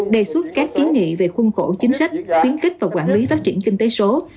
đề xuất các kiến nghị về khuôn khổ chính sách khuyến kích và quản lý phát triển kinh tế số